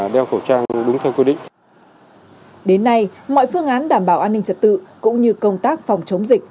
đến nay mọi phương án đảm bảo an ninh trật tự cũng như công tác phòng chống dịch